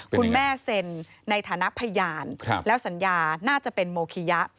คุณแม่เซ็นในฐานะพยานแล้วสัญญาน่าจะเป็นโมคิยะ